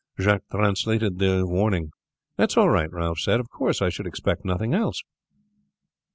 Jacques translated the warning. "That's all right," Ralph said. "Of course I should expect nothing else."